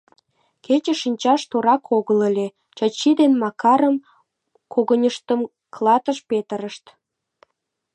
Кече шинчаш торак огыл ыле, Чачи ден Макарым когыньыштым клатыш петырышт.